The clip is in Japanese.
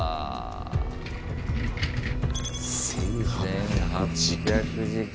１，８００時間。